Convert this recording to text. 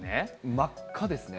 真っ赤ですね。